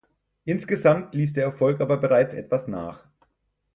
Insgesamt ließ der Erfolg aber bereits etwas nach.